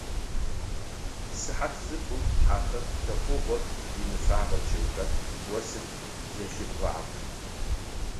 Сыхьат зытӏум тхьэпэ пытэкъугъо имыфэгъэ чъыгхэр осым зэлъибгъагъэ.